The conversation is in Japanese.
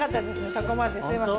そこまですいません。